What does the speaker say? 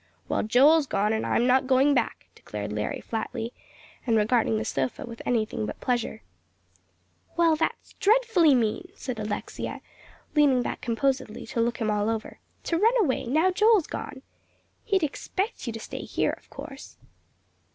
"Well, Joel's gone, and I'm not going back," declared Larry, flatly, and regarding the sofa with anything but pleasure. "Well, that's dreadfully mean," said Alexia, leaning back composedly to look him all over, "to run away, now Joel's gone. He'd expect you to stay here, of course."